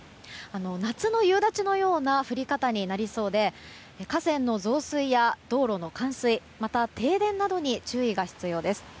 夏の夕立のような降り方になりそうで河川の増水や道路の冠水また停電などに注意が必要です。